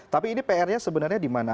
tapi ini pr nya sebenarnya di mana